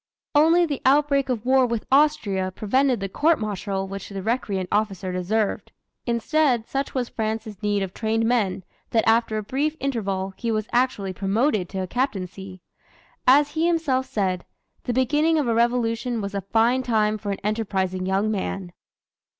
Only the outbreak of a war with Austria prevented the court martial which the recreant officer deserved. Instead, such was France's need of trained men, that after a brief interval he was actually promoted to a captaincy. As he himself said: "The beginning of a revolution was a fine time for an enterprising young man!"